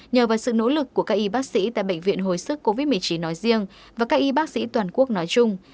nhờ vào sự nỗ lực của các y bác sĩ tại bệnh viện hồi sức covid một mươi chín nói riêng và các y bác sĩ toàn quốc nói chung